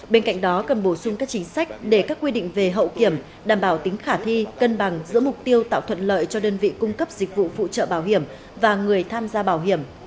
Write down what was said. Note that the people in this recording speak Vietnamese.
bên cạnh đó cần bổ sung các chính sách để các quy định về hậu kiểm đảm bảo tính khả thi cân bằng giữa mục tiêu tạo thuận lợi cho đơn vị cung cấp dịch vụ phụ trợ bảo hiểm và người tham gia bảo hiểm